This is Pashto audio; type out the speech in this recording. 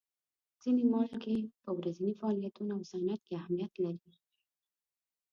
ځینې مالګې په ورځیني فعالیتونو او صنعت کې اهمیت لري.